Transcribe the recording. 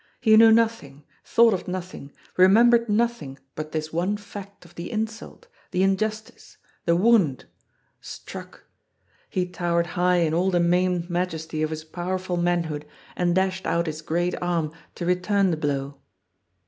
He knew nothing, thought of nothing, remembered nothing but this one fact of the insult, the injustice, the wound ! Struck ! He towered high in all the maimed majesty of his powerful manhood and dashed out his great arm to return the blow.